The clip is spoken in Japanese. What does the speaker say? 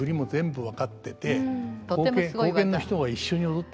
多分分かってて。